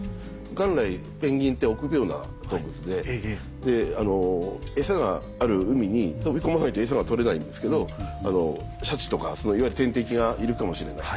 元来ペンギンって臆病な動物で餌がある海に飛び込まないと餌が取れないんですけどシャチとかいわゆる天敵がいるかもしれない。